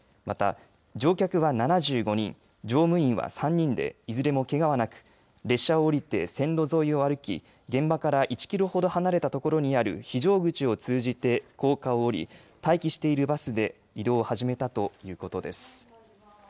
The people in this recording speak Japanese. また、乗客は７５人乗務員は３人でいずれも、けがはなく列車を降りて線路沿いを歩き現場から１キロ程離れたところにある非常口を通じて高架を降り待機しているバスで移動を始めたということです。